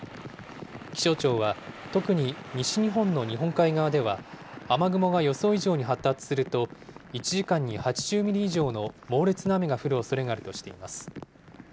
気象庁は、特に西日本の日本海側では、雨雲が予想以上に発達すると、１時間に８０ミリ以上の猛烈な雨が降るおそれがあるとしています。